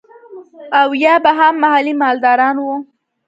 او يا به هم محلي مالداران وو.